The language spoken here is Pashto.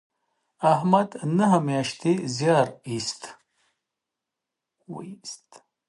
احمد نهه میاشتې زیار ایست.